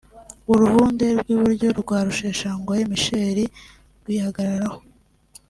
uruhunde rw’iburyo rwa Rusheshangoga Michel rwihagararaho